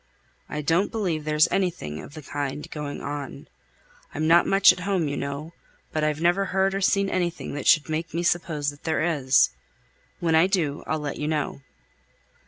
"I don't believe there's anything of the kind going on. I'm not much at home, you know; but I've never heard or seen anything that should make me suppose that there is. When I do, I'll let you know."